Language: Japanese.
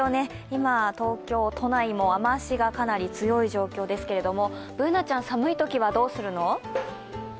今、東京都内も雨足がかなり強い状況ですけれども、Ｂｏｏｎａちゃん、寒いときはどうするの？